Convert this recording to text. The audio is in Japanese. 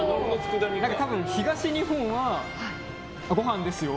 多分、東日本はごはんですよ！